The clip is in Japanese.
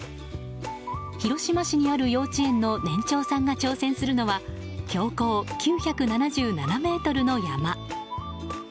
広島市にある幼稚園の年長さんが挑戦するのは標高９７７ｍの山。